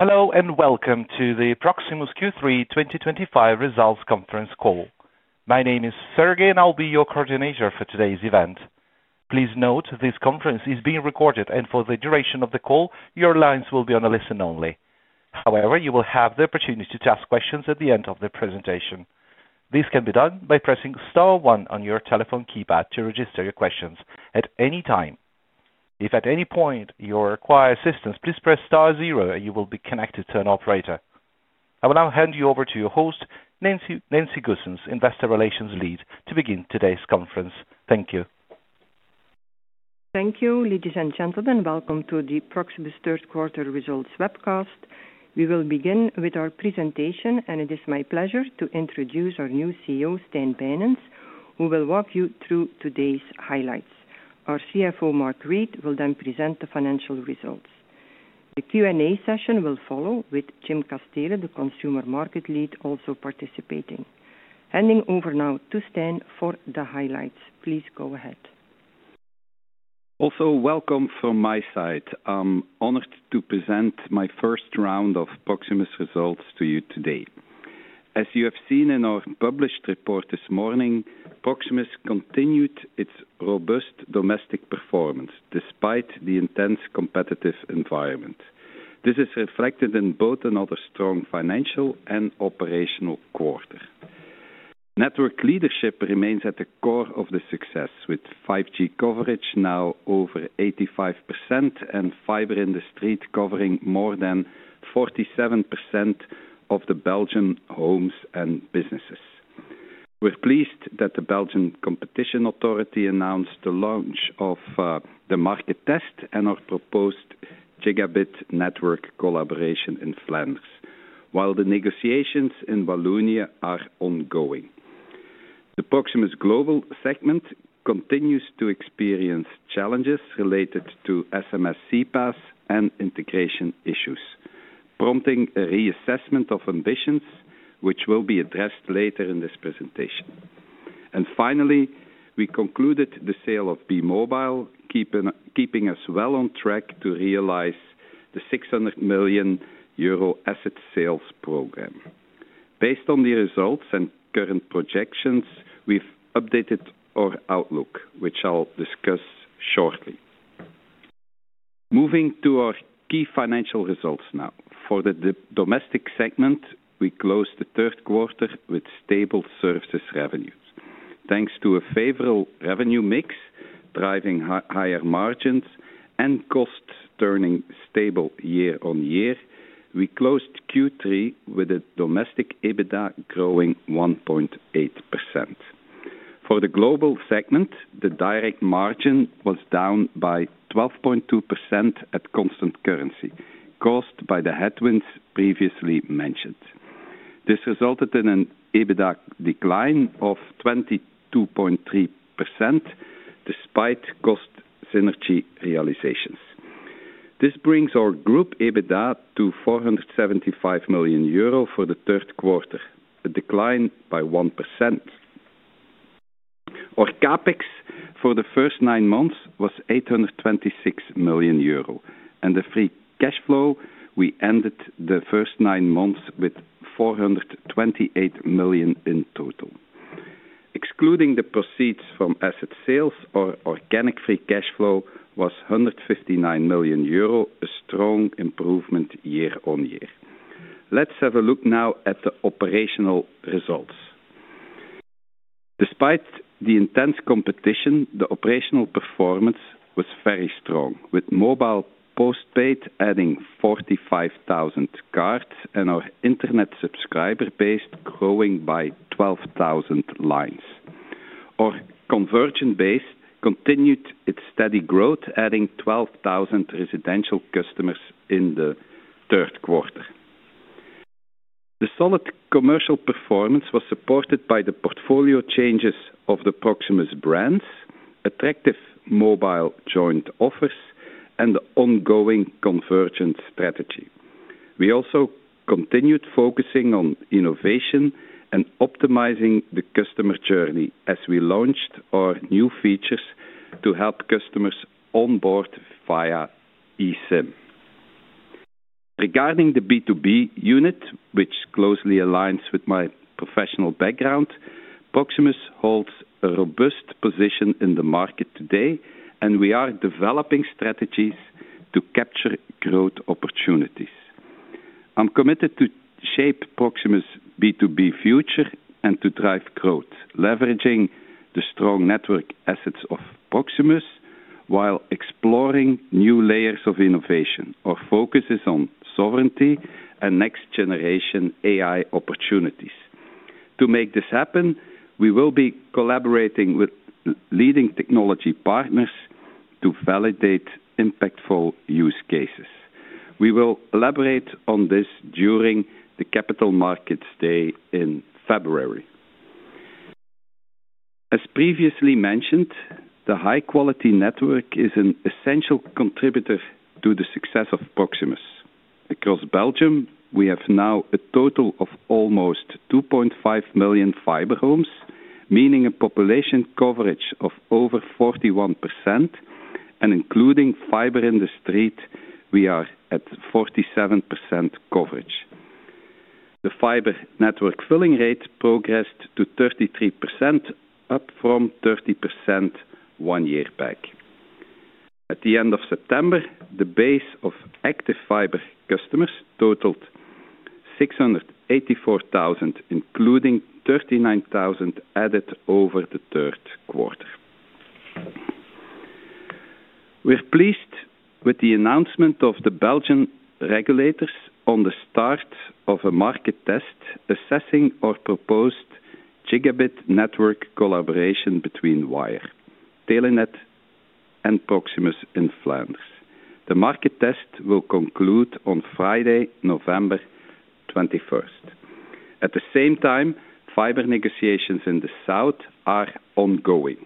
Hello, and welcome to the Proximus Q3 2025 results conference call. My name is Sergey, and I'll be your coordinator for today's event. Please note this conference is being recorded, and for the duration of the call, your lines will be on listen only. However, you will have the opportunity to ask questions at the end of the presentation. This can be done by pressing star one on your telephone keypad to register your questions at any time. If at any point you require assistance, please press star zero, and you will be connected to an operator. I will now hand you over to your host, Nancy Goossens, Investor Relations Lead, to begin today's conference. Thank you. Thank you, ladies and gentlemen. Welcome to the Proximus third quarter results webcast. We will begin with our presentation, and it is my pleasure to introduce our new CEO, Stijn Bijnens, who will walk you through today's highlights. Our CFO, Mark Reid, will then present the financial results. The Q&A session will follow with Jim Casteele, the Consumer Market Lead, also participating. Handing over now to Stijn for the highlights. Please go ahead. Also, welcome from my side. I'm honored to present my first round of Proximus results to you today. As you have seen in our published report this morning, Proximus continued its robust domestic performance despite the intense competitive environment. This is reflected in both another strong financial and operational quarter. Network leadership remains at the core of the success, with 5G coverage now over 85% and fiber in the street covering more than 47% of the Belgian homes and businesses. We're pleased that the Belgian competition authority announced the launch of the market test and our proposed gigabit network collaboration in Flanders, while the negotiations in Wallonia are ongoing. The Proximus Global segment continues to experience challenges related to SMS CPaaS and integration issues, prompting a reassessment of ambitions, which will be addressed later in this presentation. Finally, we concluded the sale of Be-Mobile, keeping us well on track to realize the 600 million euro asset sales program. Based on the results and current projections, we have updated our outlook, which I will discuss shortly. Moving to our key financial results now. For the domestic segment, we closed the third quarter with stable services revenues. Thanks to a favorable revenue mix driving higher margins and costs turning stable year-on-year, we closed Q3 with a domestic EBITDA growing 1.8%. For the global segment, the direct margin was down by 12.2% at constant currency, caused by the headwinds previously mentioned. This resulted in an EBITDA decline of 22.3% despite cost synergy realizations. This brings our group EBITDA to 475 million euro for the third quarter, a decline by 1%. Our CapEx for the first nine months was 826 million euro, and the free cash flow, we ended the first nine months with 428 million in total. Excluding the proceeds from asset sales, our organic free cash flow was 159 million euro, a strong improvement year-on-year. Let's have a look now at the operational results. Despite the intense competition, the operational performance was very strong, with mobile postpaid adding 45,000 cards and our internet subscriber base growing by 12,000 lines. Our conversion base continued its steady growth, adding 12,000 residential customers in the third quarter. The solid commercial performance was supported by the portfolio changes of the Proximus brands, attractive mobile joint offers, and the ongoing conversion strategy. We also continued focusing on innovation and optimizing the customer journey as we launched our new features to help customers onboard via eSIM. Regarding the B2B unit, which closely aligns with my professional background, Proximus holds a robust position in the market today, and we are developing strategies to capture growth opportunities. I'm committed to shape Proximus' B2B future and to drive growth, leveraging the strong network assets of Proximus while exploring new layers of innovation. Our focus is on sovereignty and next-generation AI opportunities. To make this happen, we will be collaborating with leading technology partners to validate impactful use cases. We will elaborate on this during the Capital Markets Day in February. As previously mentioned, the high-quality network is an essential contributor to the success of Proximus. Across Belgium, we have now a total of almost 2.5 million fiber homes, meaning a population coverage of over 41%, and including fiber in the street, we are at 47% coverage. The fiber network filling rate progressed to 33%, up from 30% one year back. At the end of September, the base of active fiber customers totaled 684,000, including 39,000 added over the third quarter. We're pleased with the announcement of the Belgian regulators on the start of a market test assessing our proposed gigabit network collaboration between Wyre, Telenet, and Proximus in Flanders. The market test will conclude on Friday, November 21st, 2025. At the same time, fiber negotiations in the south are ongoing.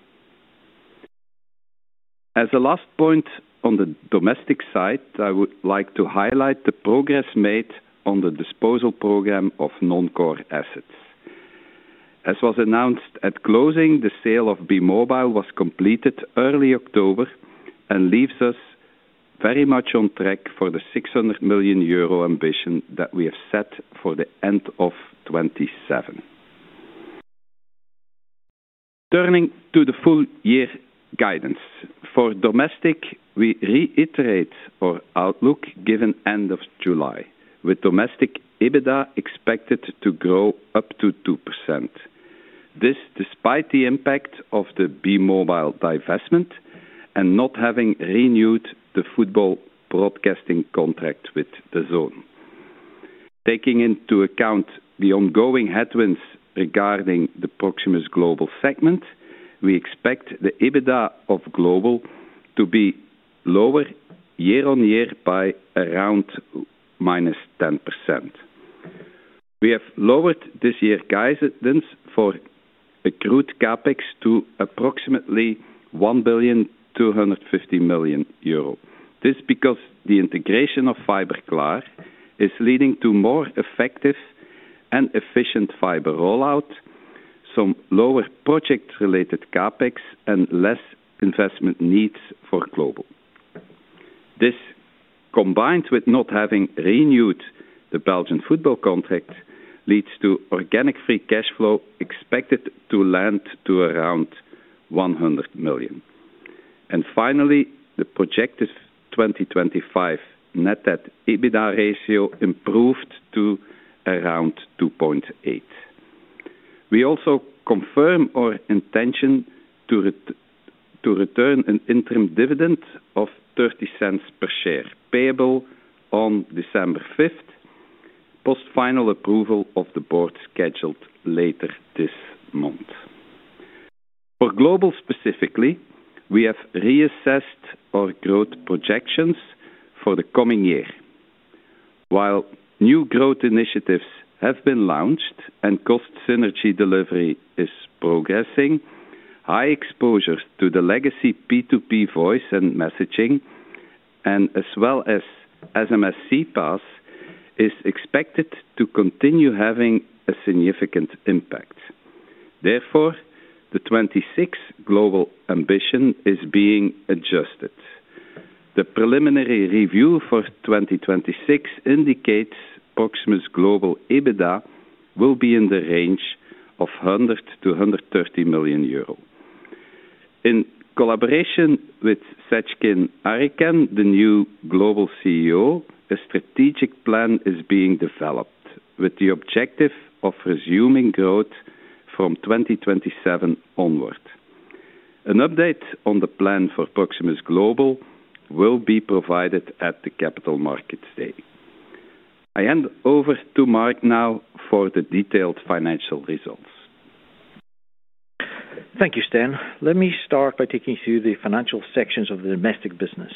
As a last point on the domestic side, I would like to highlight the progress made on the disposal program of non-core assets. As was announced at closing, the sale of Be-Mobile was completed early October and leaves us very much on track for the 600 million euro ambition that we have set for the end of 2027. Turning to the full-year guidance. For domestic, we reiterate our outlook given end of July, with domestic EBITDA expected to grow up to 2%. This despite the impact of the Be-Mobile divestment and not having renewed the football broadcasting contract with DAZN. Taking into account the ongoing headwinds regarding the Proximus Global segment, we expect the EBITDA of Global to be lower year-on-year by around -10%. We have lowered this year's guidance for accrued CapEx to approximately 1,250 million euro. This is because the integration of Fiberklaar is leading to more effective and efficient fiber rollout, some lower project-related CapEx, and less investment needs for Global. This, combined with not having renewed the Belgian football contract, leads to organic free cash flow expected to land to around 100 million. Finally, the projected 2025 net at EBITDA ratio improved to around 2.8. We also confirm our intention to return an interim dividend of 0.30 per share, payable on December 5th, post-final approval of the Board scheduled later this month. For Global specifically, we have reassessed our growth projections for the coming year. While new growth initiatives have been launched and cost synergy delivery is progressing, high exposure to the legacy P2P Voice and messaging, as well as SMS CPaaS, is expected to continue having a significant impact. Therefore, the 2026 Global ambition is being adjusted. The preliminary review for 2026 indicates Proximus Global EBITDA will be in the range of 100 million-130 million euro. In collaboration with Seçkin Arıkan, the new Global CEO, a strategic plan is being developed with the objective of resuming growth from 2027 onward. An update on the plan for Proximus Global will be provided at the Capital Markets Day. I hand over to Mark now for the detailed financial results. Thank you, Stijn. Let me start by taking you through the financial sections of the domestic business.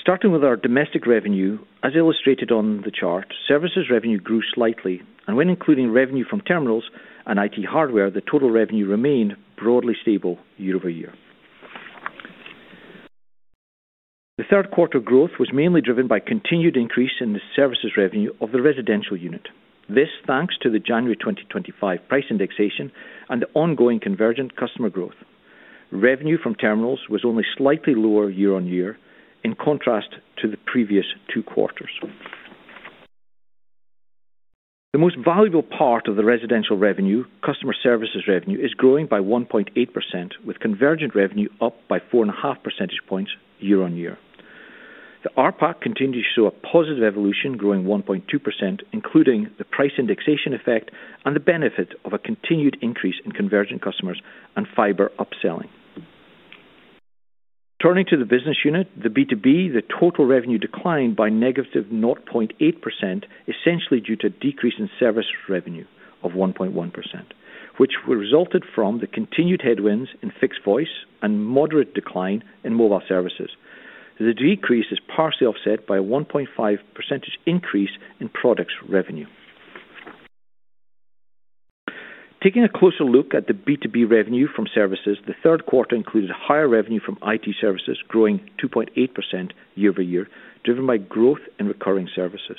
Starting with our domestic revenue, as illustrated on the chart, services revenue grew slightly, and when including revenue from terminals and IT hardware, the total revenue remained broadly stable year-over-year. The third quarter growth was mainly driven by continued increase in the services revenue of the residential unit. This thanks to the January 2025 price indexation and the ongoing convergent customer growth. Revenue from terminals was only slightly lower year-on-year in contrast to the previous two quarters. The most valuable part of the residential revenue, customer services revenue, is growing by 1.8%, with convergent revenue up by 4.5 percentage points year-on-year. The RPAC continues to show a positive evolution, growing 1.2%, including the price indexation effect and the benefit of a continued increase in convergent customers and fiber upselling. Turning to the business unit, the B2B, the total revenue declined by -0.8%, essentially due to a decrease in service revenue of 1.1%, which resulted from the continued headwinds in fixed voice and moderate decline in mobile services. The decrease is partially offset by a 1.5% increase in products revenue. Taking a closer look at the B2B revenue from services, the third quarter included higher revenue from IT services, growing 2.8% year-over-year, driven by growth in recurring services.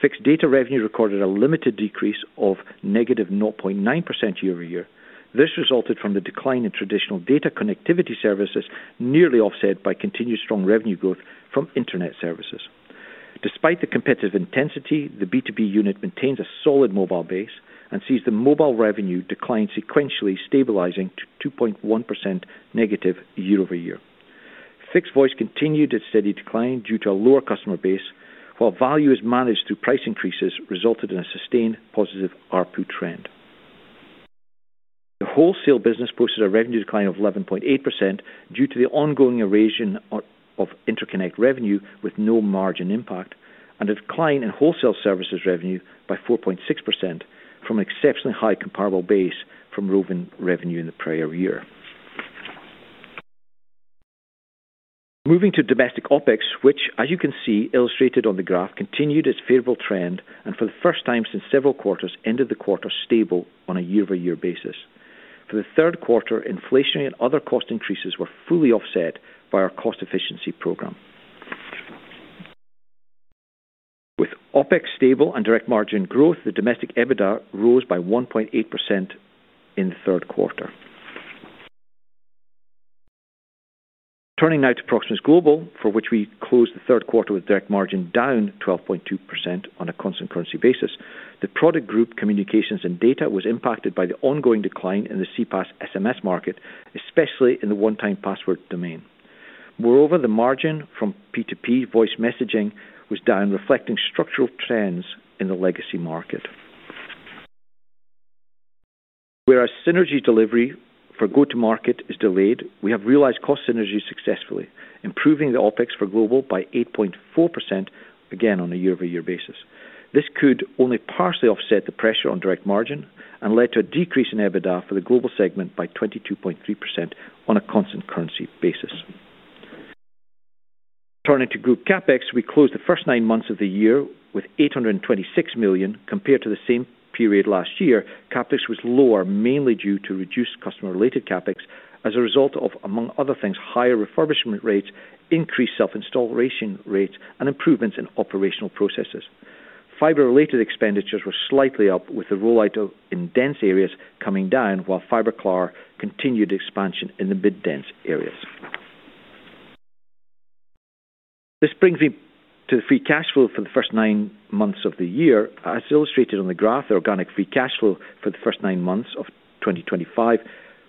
Fixed data revenue recorded a limited decrease of -0.9% year-over-year. This resulted from the decline in traditional data connectivity services, nearly offset by continued strong revenue growth from internet services. Despite the competitive intensity, the B2B unit maintains a solid mobile base and sees the mobile revenue decline sequentially, stabilizing to -2.1% year-over-year. Fixed voice continued its steady decline due to a lower customer base, while value is managed through price increases, resulting in a sustained positive RPU trend. The wholesale business posted a revenue decline of 11.8% due to the ongoing erasure of interconnect revenue with no margin impact and a decline in wholesale services revenue by 4.6% from an exceptionally high comparable base from roaming revenue in the prior year. Moving to domestic OpEx, which, as you can see illustrated on the graph, continued its favorable trend and for the first time since several quarters, ended the quarter stable on a year-over-year basis. For the third quarter, inflation and other cost increases were fully offset by our cost efficiency program. With OpEx stable and direct margin growth, the domestic EBITDA rose by 1.8% in the third quarter. Turning now to Proximus Global, for which we closed the third quarter with direct margin down 12.2% on a constant currency basis, the product group communications and data was impacted by the ongoing decline in the CPaaS SMS market, especially in the one-time password domain. Moreover, the margin from P2P voice messaging was down, reflecting structural trends in the legacy market. Whereas synergy delivery for go-to-market is delayed, we have realized cost synergy successfully, improving the OpEx for Global by 8.4% again on a year-over-year basis. This could only partially offset the pressure on direct margin and led to a decrease in EBITDA for the Global segment by 22.3% on a constant currency basis. Turning to group CapEx, we closed the first nine months of the year with 826 million. Compared to the same period last year, CapEx was lower, mainly due to reduced customer-related CapEx as a result of, among other things, higher refurbishment rates, increased self-installation rates, and improvements in operational processes. Fiber-related expenditures were slightly up, with the rollout of in-dense areas coming down, while Fiberklaar continued expansion in the mid-dense areas. This brings me to the free cash flow for the first nine months of the year. As illustrated on the graph, the organic free cash flow for the first nine months of 2025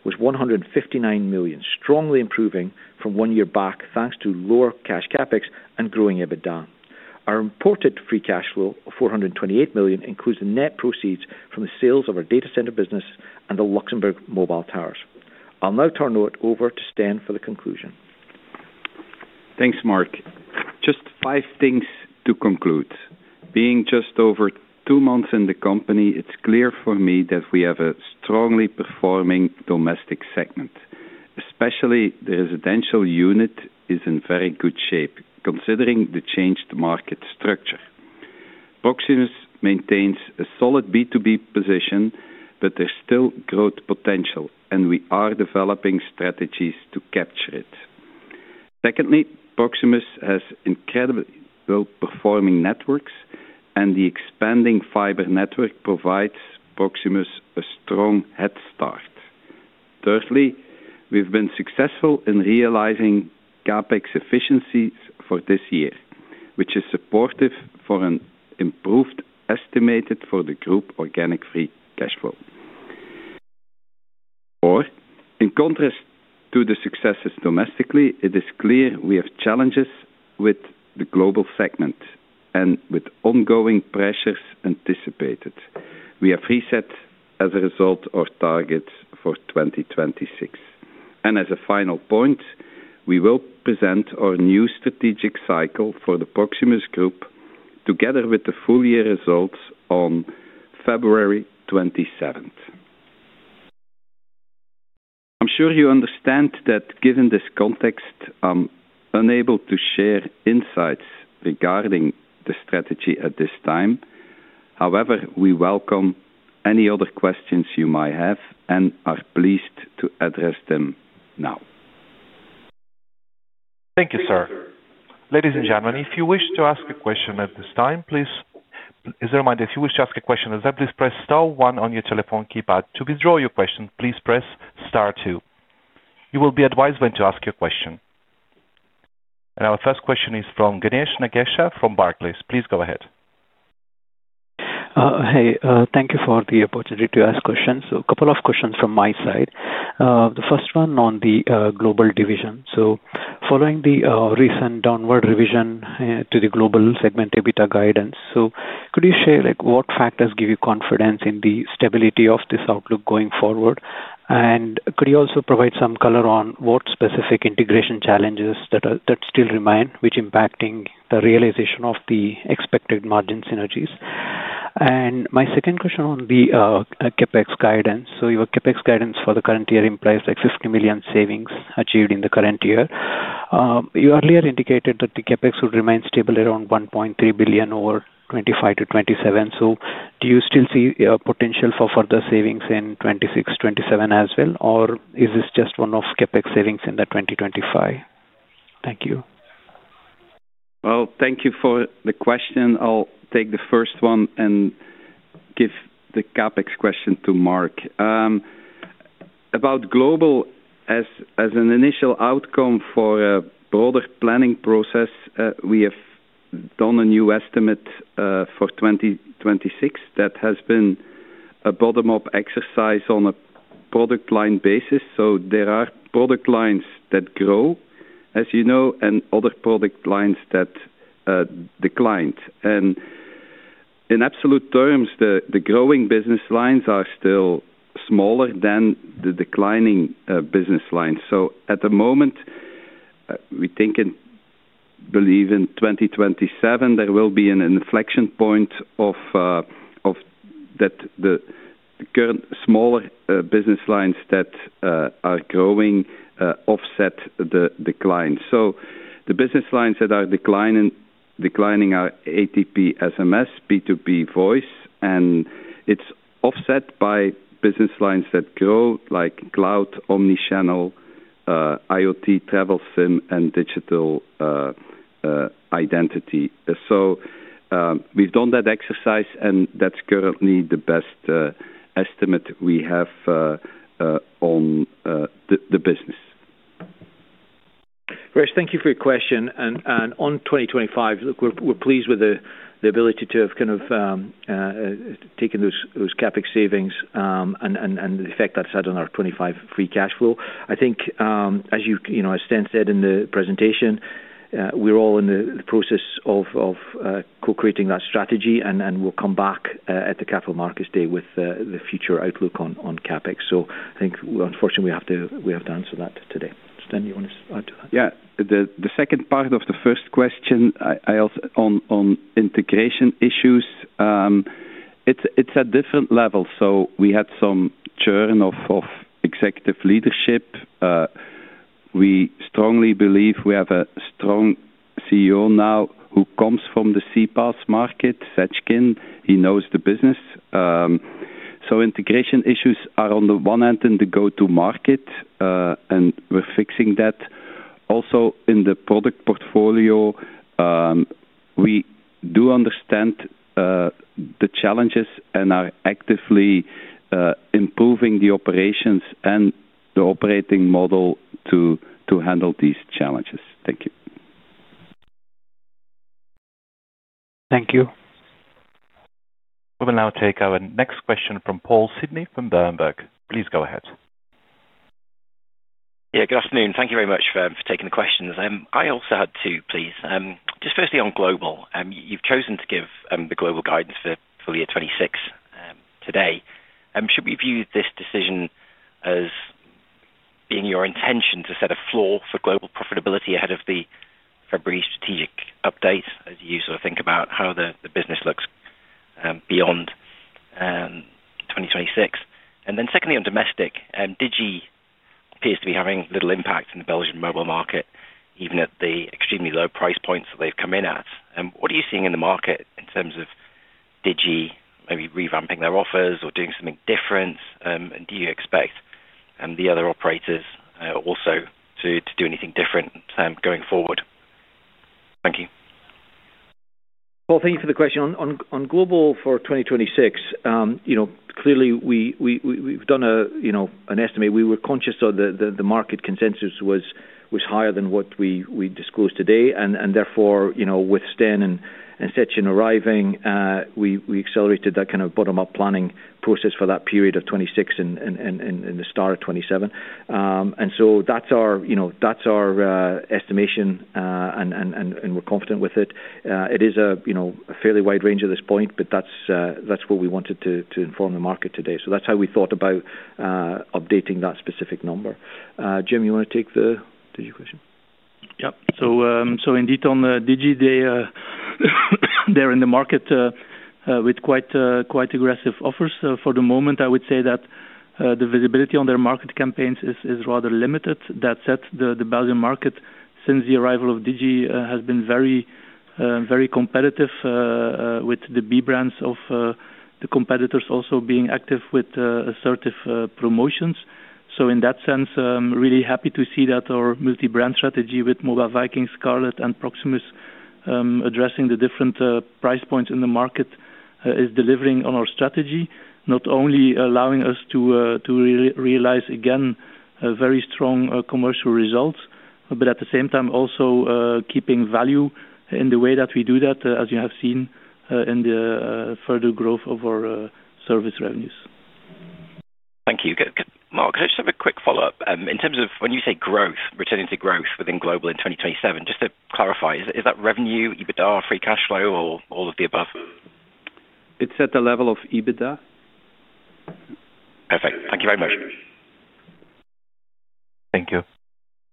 was 159 million, strongly improving from one year back thanks to lower cash CapEx and growing EBITDA. Our reported free cash flow of 428 million includes the net proceeds from the sales of our data center business and the Luxembourg mobile towers. I'll now turn it over to Stijn for the conclusion. Thanks, Mark. Just five things to conclude. Being just over two months in the company, it's clear for me that we have a strongly performing domestic segment. Especially, the residential unit is in very good shape, considering the changed market structure. Proximus maintains a solid B2B position, but there's still growth potential, and we are developing strategies to capture it. Secondly, Proximus has incredibly well-performing networks, and the expanding fiber network provides Proximus a strong head start. Thirdly, we've been successful in realizing CapEx efficiencies for this year, which is supportive for an improved estimate for the group organic free cash flow. In contrast to the successes domestically, it is clear we have challenges with the global segment and with ongoing pressures anticipated. We have reset as a result our targets for 2026. As a final point, we will present our new strategic cycle for the Proximus Group together with the full-year results on February 27th. I'm sure you understand that given this context, I'm unable to share insights regarding the strategy at this time. However, we welcome any other questions you might have and are pleased to address them now. Thank you, sir. Ladies and gentlemen, if you wish to ask a question at this time, please, if you wish to ask a question as well, please press star one on your telephone keypad. To withdraw your question, please press star two. You will be advised when to ask your question. Our first question is from Ganesh Nagesha from Barclays. Please go ahead. Hey, thank you for the opportunity to ask questions. A couple of questions from my side. The first one on the Global division. Following the recent downward revision to the Global segment EBITDA guidance, could you share what factors give you confidence in the stability of this outlook going forward? Could you also provide some color on what specific integration challenges still remain, which are impacting the realization of the expected margin synergies? My second question on the CapEx guidance. Your CapEx guidance for the current year implies like 50 million savings achieved in the current year. You earlier indicated that the CapEx would remain stable around 1.3 billion over 2025 to 2027. Do you still see potential for further savings in 2026, 2027 as well, or is this just one of CapEx savings in that 2025? Thank you. Thank you for the question. I'll take the first one and give the CapEx question to Mark. About Global, as an initial outcome for a broader planning process, we have done a new estimate for 2026 that has been a bottom-up exercise on a product line basis. There are product lines that grow, as you know, and other product lines that decline. In absolute terms, the growing business lines are still smaller than the declining business lines. At the moment, we think and believe in 2027, there will be an inflection point that the current smaller business lines that are growing offset the decline. The business lines that are declining are A2P SMS, B2B voice, and it is offset by business lines that grow like cloud, omnichannel, IoT, travel SIM, and digital identity. We've done that exercise, and that's currently the best estimate we have on the business. Great. Thank you for your question. On 2025, we're pleased with the ability to have kind of taken those CapEx savings and the effect that's had on our 2025 free cash flow. I think, as Stan said in the presentation, we're all in the process of co-creating that strategy, and we'll come back at the Capital Markets Day with the future outlook on CapEx. I think, unfortunately, we have to answer that today. Stan, do you want to add to that? Yeah. The second part of the first question on integration issues, it's at different levels. We had some churn of executive leadership. We strongly believe we have a strong CEO now who comes from the CPaaS market, Seçkin. He knows the business. Integration issues are on the one end in the go-to-market, and we're fixing that. Also, in the product portfolio, we do understand the challenges and are actively improving the operations and the operating model to handle these challenges. Thank you. Thank you. We will now take our next question from Paul Sidney from Berenberg. Please go ahead. Yeah, good afternoon. Thank you very much for taking the questions. I also had two, please. Just firstly on Global, you've chosen to give the global guidance for year 2026 today. Should we view this decision as being your intention to set a floor for global profitability ahead of the February strategic update as you sort of think about how the business looks beyond 2026? Secondly on domestic, Digi appears to be having little impact in the Belgian mobile market, even at the extremely low price points that they've come in at. What are you seeing in the market in terms of Digi maybe revamping their offers or doing something different? Do you expect the other operators also to do anything different going forward? Thank you. Paul, thank you for the question. On Global for 2026, clearly, we've done an estimate. We were conscious of the market consensus was higher than what we disclosed today. Therefore, with Stan and Seçkin arriving, we accelerated that kind of bottom-up planning process for that period of 2026 and the start of 2027. That is our estimation, and we're confident with it. It is a fairly wide range at this point, but that's what we wanted to inform the market today. That is how we thought about updating that specific number. Jim, you want to take the Digi question? Yep. So indeed, on Digi, they're in the market with quite aggressive offers. For the moment, I would say that the visibility on their market campaigns is rather limited. That said, the Belgian market, since the arrival of Digi, has been very competitive with the B brands of the competitors also being active with assertive promotions. In that sense, really happy to see that our multi-brand strategy with Mobile Vikings, Scarlet, and Proximus addressing the different price points in the market is delivering on our strategy, not only allowing us to realize again very strong commercial results, but at the same time also keeping value in the way that we do that, as you have seen in the further growth of our service revenues. Thank you. Mark, I just have a quick follow-up. In terms of when you say growth, returning to growth within Global in 2027, just to clarify, is that revenue, EBITDA, free cash flow, or all of the above? It's at the level of EBITDA. Perfect. Thank you very much. Thank you.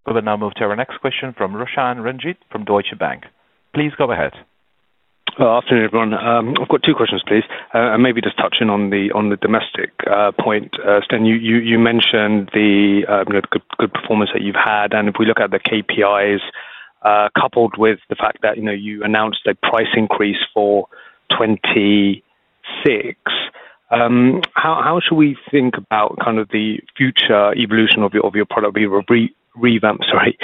We will now move to our next question from Roshan Ranjit from Deutsche Bank. Please go ahead. Afternoon, everyone. I've got two questions, please. Maybe just touching on the domestic point. Stan, you mentioned the good performance that you've had. If we look at the KPIs coupled with the fact that you announced a price increase for 2026, how should we think about kind of the future evolution of your product revamp? Sorry.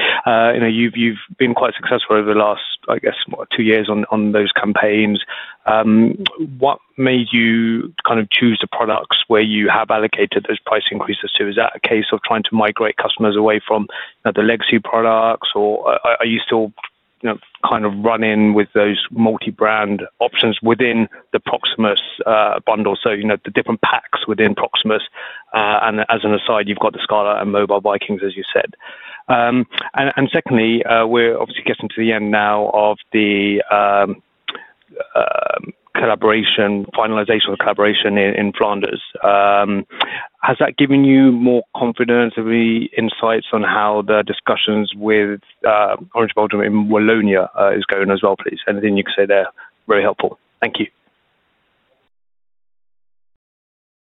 You've been quite successful over the last, I guess, two years on those campaigns. What made you kind of choose the products where you have allocated those price increases to? Is that a case of trying to migrate customers away from the legacy products, or are you still kind of running with those multi-brand options within the Proximus bundle, so the different packs within Proximus? As an aside, you've got the Scarlet and Mobile Vikings, as you said. Secondly, we're obviously getting to the end now of the finalization of the collaboration in Flanders. Has that given you more confidence or any insights on how the discussions with Orange Belgium in Wallonia is going as well, please? Anything you can say there? Very helpful. Thank you.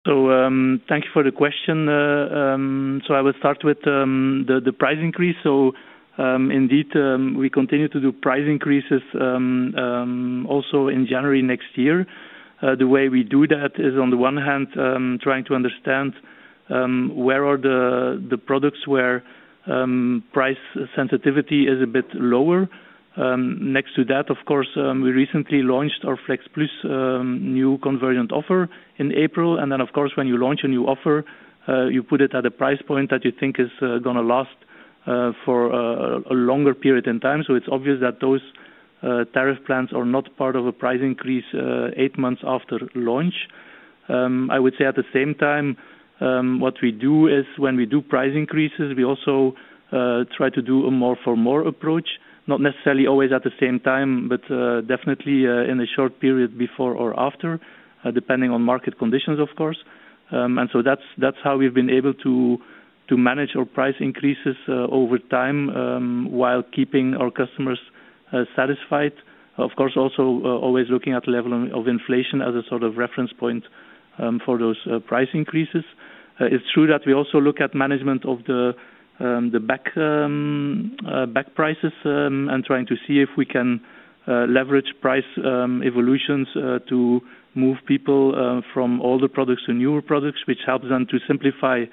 Thank you for the question. I will start with the price increase. Indeed, we continue to do price increases also in January next year. The way we do that is, on the one hand, trying to understand where are the products where price sensitivity is a bit lower. Next to that, of course, we recently launched our Flex+ new convergent offer in April. Of course, when you launch a new offer, you put it at a price point that you think is going to last for a longer period in time. It is obvious that those tariff plans are not part of a price increase eight months after launch. I would say at the same time, what we do is when we do price increases, we also try to do a more-for-more approach, not necessarily always at the same time, but definitely in a short period before or after, depending on market conditions, of course. That is how we've been able to manage our price increases over time while keeping our customers satisfied. Of course, also always looking at the level of inflation as a sort of reference point for those price increases. It's true that we also look at management of the back prices and trying to see if we can leverage price evolutions to move people from older products to newer products, which helps them to simplify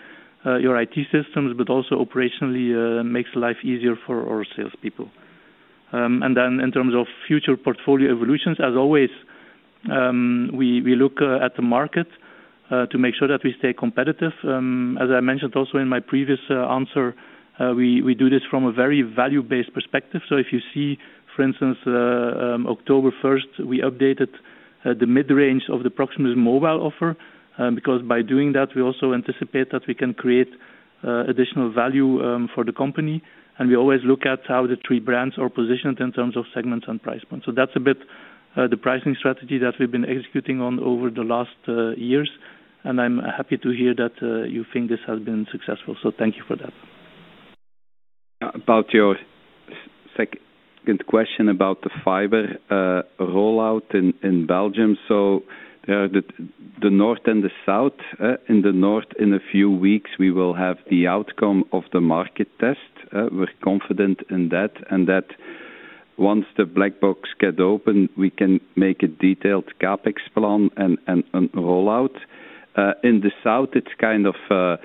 your IT systems, but also operationally makes life easier for our salespeople. In terms of future portfolio evolutions, as always, we look at the market to make sure that we stay competitive. As I mentioned also in my previous answer, we do this from a very value-based perspective. If you see, for instance, October 1st, we updated the mid-range of the Proximus mobile offer because by doing that, we also anticipate that we can create additional value for the company. We always look at how the three brands are positioned in terms of segments and price points. That is a bit the pricing strategy that we have been executing on over the last years. I am happy to hear that you think this has been successful. Thank you for that. About your second question about the fiber rollout in Belgium. The north and the south, in the north, in a few weeks, we will have the outcome of the market test. We're confident in that. Once the black box gets open, we can make a detailed CapEx plan and a rollout. In the south, it's kind of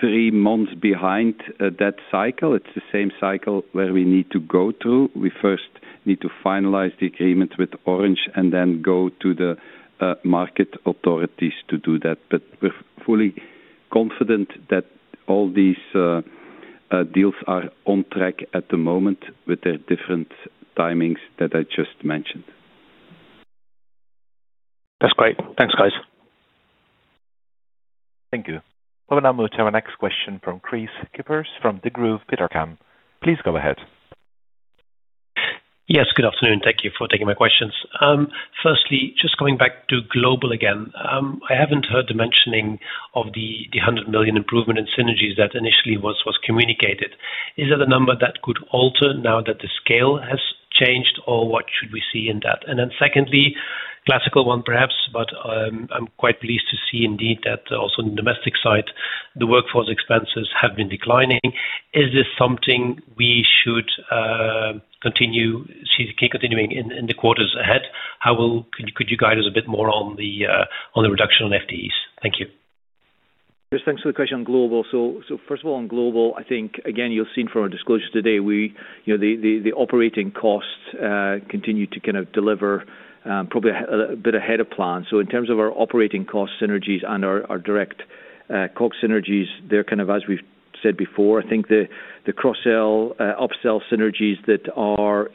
three months behind that cycle. It's the same cycle we need to go through. We first need to finalize the agreement with Orange and then go to the market authorities to do that. We're fully confident that all these deals are on track at the moment with their different timings that I just mentioned. That's great. Thanks, guys. Thank you. We will now move to our next question from Kris Kippers from Degroof Petercam. Please go ahead. Yes, good afternoon. Thank you for taking my questions. Firstly, just coming back to Global again, I have not heard the mentioning of the 100 million improvement in synergies that initially was communicated. Is that a number that could alter now that the scale has changed, or what should we see in that? Secondly, classical one, perhaps, but I am quite pleased to see indeed that also on the domestic side, the workforce expenses have been declining. Is this something we should continue seeing continuing in the quarters ahead? How could you guide us a bit more on the reduction on FTEs? Thank you. Chris, thanks for the question on Global. First of all, on Global, I think, again, you'll see from our disclosure today, the operating costs continue to kind of deliver probably a bit ahead of plan. In terms of our operating cost synergies and our direct COGS synergies, they're kind of, as we've said before, I think the cross-sell, up-sell synergies that are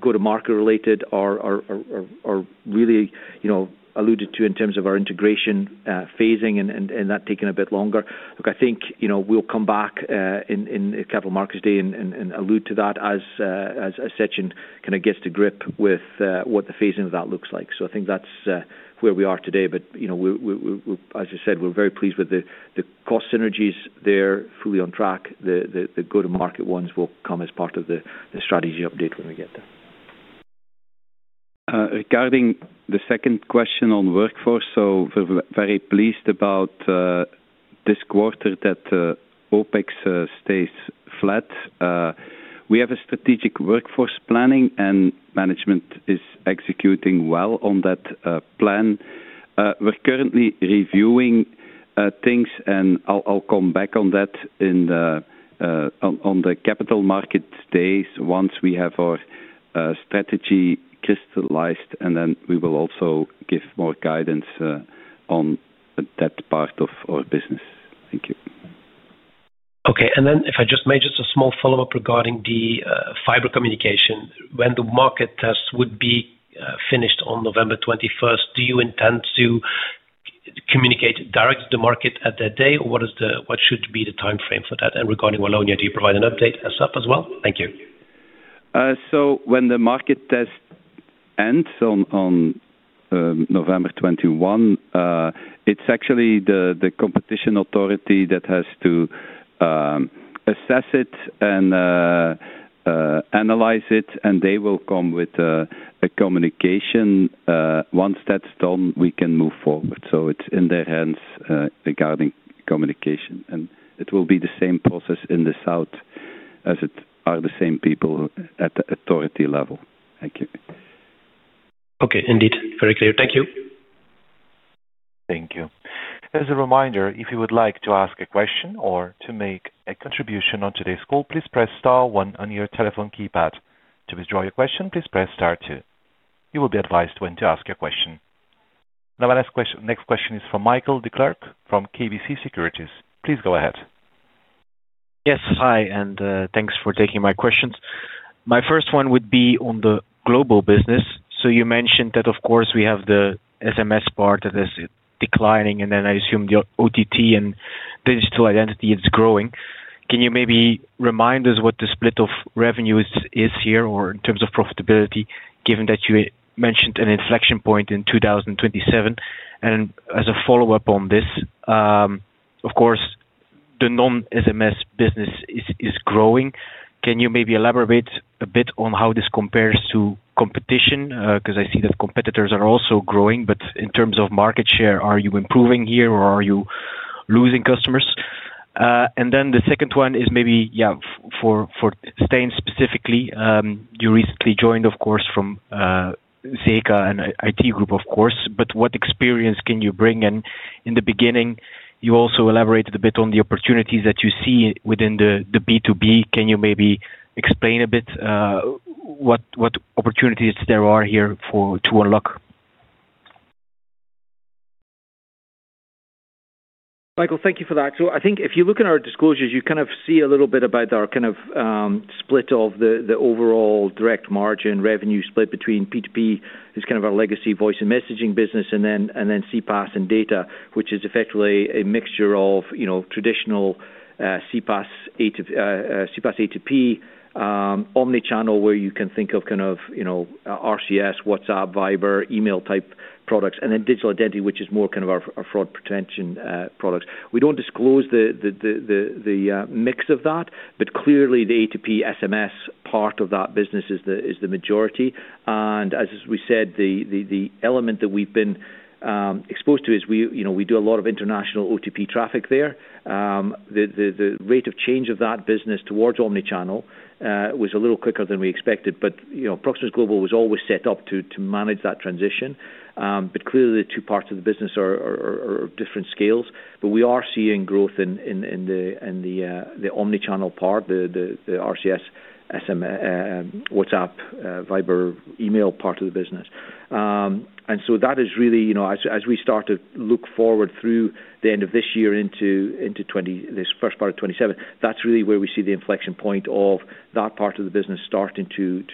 go-to-market related are really alluded to in terms of our integration phasing and that taking a bit longer. Look, I think we'll come back in Capital Markets Day and allude to that as Seçkin kind of gets to grip with what the phasing of that looks like. I think that's where we are today. As I said, we're very pleased with the cost synergies. They're fully on track. The go-to-market ones will come as part of the strategy update when we get there. Regarding the second question on workforce, we are very pleased about this quarter that OpEx stays flat. We have a strategic workforce planning, and management is executing well on that plan. We are currently reviewing things, and I will come back on that on the Capital Markets Day once we have our strategy crystallized. We will also give more guidance on that part of our business. Thank you. Okay. If I just may, just a small follow-up regarding the fiber communication. When the market test would be finished on November 21st, do you intend to communicate direct to the market that day, or what should be the timeframe for that? Regarding Wallonia, do you provide an update as well? Thank you. When the market test ends on November 21, it's actually the competition authority that has to assess it and analyze it. They will come with a communication. Once that's done, we can move forward. It's in their hands regarding communication. It will be the same process in the south as it is the same people at the authority level. Thank you. Okay. Indeed. Very clear. Thank you. Thank you. As a reminder, if you would like to ask a question or to make a contribution on today's call, please press star one on your telephone keypad. To withdraw your question, please press star two. You will be advised when to ask your question. Now, our next question is from Michiel Declerq from KBC Securities. Please go ahead. Yes. Hi, and thanks for taking my questions. My first one would be on the Global business. You mentioned that, of course, we have the SMS part that is declining, and then I assume the OTT and Digital Identity is growing. Can you maybe remind us what the split of revenues is here or in terms of profitability, given that you mentioned an inflection point in 2027? As a follow-up on this, of course, the non-SMS business is growing. Can you maybe elaborate a bit on how this compares to competition? I see that competitors are also growing, but in terms of market share, are you improving here or are you losing customers? The second one is maybe, yeah, for Stijn specifically, you recently joined, of course, from Cegeka and IT Group, of course. What experience can you bring? In the beginning, you also elaborated a bit on the opportunities that you see within the B2B. Can you maybe explain a bit what opportunities there are here to unlock? Michael, thank you for that. I think if you look in our disclosures, you kind of see a little bit about our kind of split of the overall direct margin revenue split between P2P, who's kind of our legacy voice and messaging business, and then CPaaS and data, which is effectively a mixture of traditional CPaaS, A2P, omnichannel, where you can think of kind of RCS, WhatsApp, Viber, email-type products, and then digital identity, which is more kind of our fraud prevention products. We do not disclose the mix of that, but clearly, the A2P SMS part of that business is the majority. As we said, the element that we have been exposed to is we do a lot of international OTP traffic there. The rate of change of that business towards omnichannel was a little quicker than we expected, but Proximus Global was always set up to manage that transition. Clearly, the two parts of the business are different scales. We are seeing growth in the omnichannel part, the RCS, SMS, WhatsApp, Viber, email part of the business. That is really, as we start to look forward through the end of this year into this first part of 2027, that's really where we see the inflection point of that part of the business starting to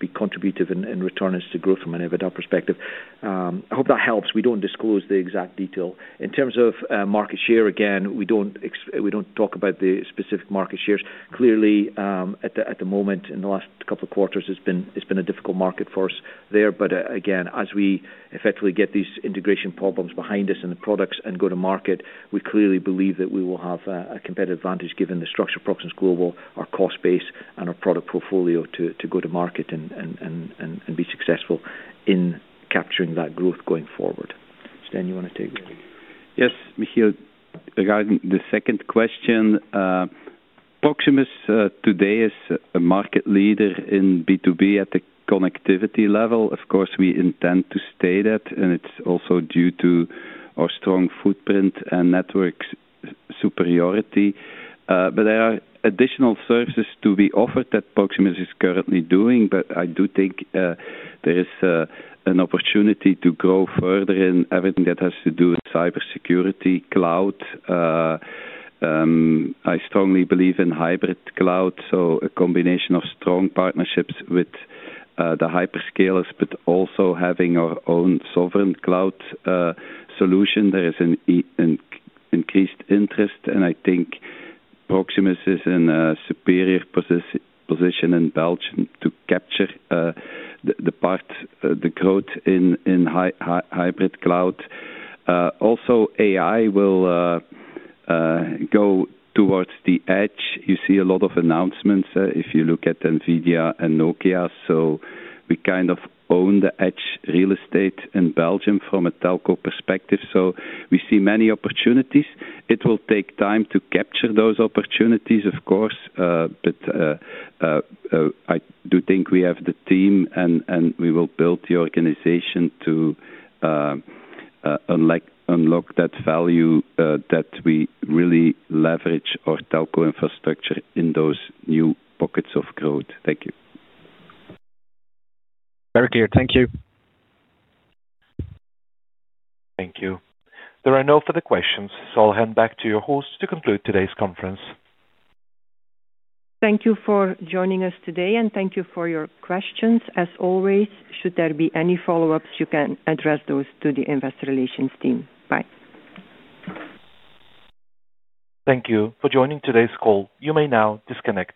be contributive and return us to growth from an EBITDA perspective. I hope that helps. We do not disclose the exact detail. In terms of market share, again, we do not talk about the specific market shares. Clearly, at the moment, in the last couple of quarters, it has been a difficult market for us there. Again, as we effectively get these integration problems behind us and the products and go to market, we clearly believe that we will have a competitive advantage given the structure of Proximus Global, our cost base, and our product portfolio to go to market and be successful in capturing that growth going forward. Stijn, you want to take it? Yes, Michiel. Regarding the second question, Proximus today is a market leader in B2B at the connectivity level. Of course, we intend to stay that, and it's also due to our strong footprint and network superiority. There are additional services to be offered that Proximus is currently doing, but I do think there is an opportunity to grow further in everything that has to do with cybersecurity, cloud. I strongly believe in hybrid cloud, so a combination of strong partnerships with the hyperscalers, but also having our own sovereign cloud solution. There is an increased interest, and I think Proximus is in a superior position in Belgium to capture the part, the growth in hybrid cloud. Also, AI will go towards the edge. You see a lot of announcements if you look at NVIDIA and Nokia. We kind of own the edge real estate in Belgium from a telco perspective. We see many opportunities. It will take time to capture those opportunities, of course, but I do think we have the team, and we will build the organization to unlock that value that we really leverage our telco infrastructure in those new pockets of growth. Thank you. Very clear. Thank you. Thank you. There are no further questions. I'll hand back to your host to conclude today's conference. Thank you for joining us today, and thank you for your questions. As always, should there be any follow-ups, you can address those to the Investor Relations team. Bye. Thank you for joining today's call. You may now disconnect.